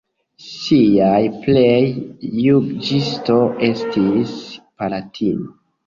Siaj plej juĝisto estis palatino.